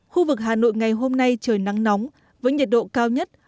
khu vực hà nội ngày hôm nay trời nắng nóng với nhiệt độ cao nhất